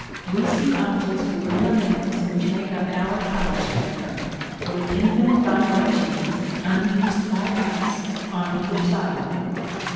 We see objects within the limits which make up our colour spectrum, with infinite vibrations, unused by us, on either side of them.